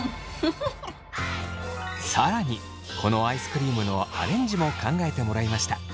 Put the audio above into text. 更にこのアイスクリームのアレンジも考えてもらいました。